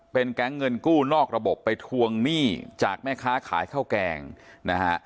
เป็นแก๊งเงินกู้นอกระบบไปทวงหนี้จากแม่ค้าขายข้าวแกงนะฮะ